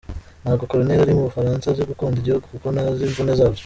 Ntabwo Colonel uri mu Bufaransa azi gukunda igihugu kuko ntazi imvune zabyo.